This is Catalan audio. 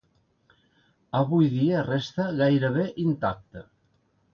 Avui dia resta gairebé intacta.